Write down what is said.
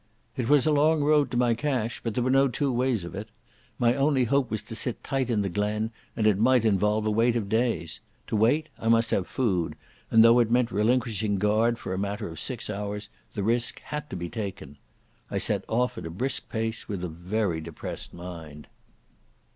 It was a long road to my cache, but there were no two ways of it. My only hope was to sit tight in the glen, and it might involve a wait of days. To wait I must have food, and, though it meant relinquishing guard for a matter of six hours, the risk had to be taken. I set off at a brisk pace with a very depressed mind.